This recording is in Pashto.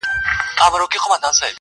همدغه یوه ښکلا ده